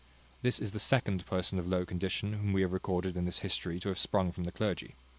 [*] This is the second person of low condition whom we have recorded in this history to have sprung from the clergy.